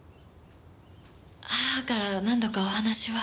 母からは何度かお話は。